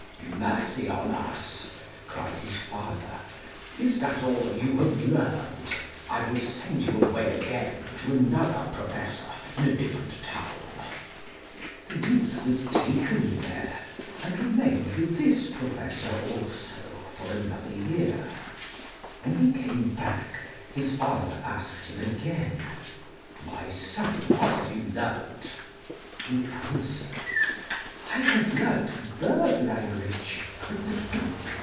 'Mercy on us!' cried his father, 'is that all you have learnt? I will send you away again to another Professor in a different town.' The youth was taken there, and remained with this Professor also for another year. When he came back his father asked him again: 'My son, what have you learnt?' He answered: 'I have learnt bird language.'